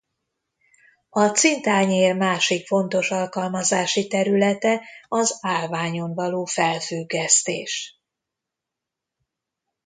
A cintányér másik fontos alkalmazási területe az állványon való felfüggesztés.